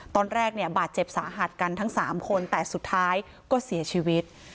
ตอนแรกเนี่ยบาดเจ็บสาหัสกันทั้ง๓คนแต่สุดท้ายก็เสียชีวิต